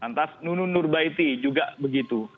lalu nunu nurbaiti juga begitu